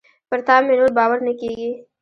پر تا مي نور باور نه کېږي .